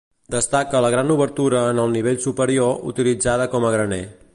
Destaca la gran obertura en el nivell superior utilitzada com a graner.